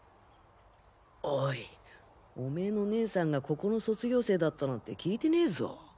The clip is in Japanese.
おいオメーの姉さんがここの卒業生だったなんて聞いてねぇぞ！？